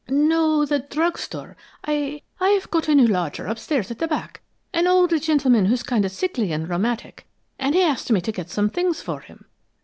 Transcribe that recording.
"No, the drug store. I I've got a new lodger upstairs at the back an old gentleman who's kind of sickly and rheumatic, and he asked me to get some things for him.